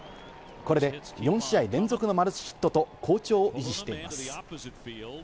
これで４試合連続のマルチヒットと、好調を維持しています。